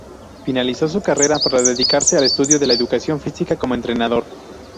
Finalizó su carrera para dedicarse al estudio de la educación física y como entrenador.